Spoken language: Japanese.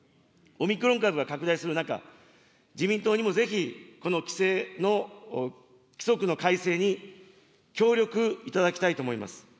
オミクロン株が拡大する中、自民党にもぜひ、この規制の、規則の改正に協力いただきたいと思います。